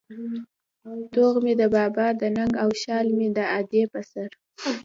توغ مې د بابا د ننگ او شال مې د ادې په سر